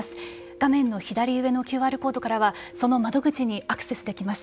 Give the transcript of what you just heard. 画面の左上のＱＲコードからはその窓口にアクセスできます。